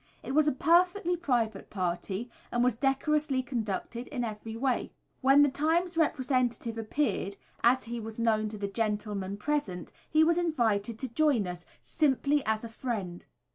It was a perfectly private party, and was decorously conducted in every way. When the Times representative appeared, as he was known to the gentlemen present, he was invited to join us, simply as a friend.